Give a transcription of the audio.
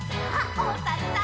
おさるさん。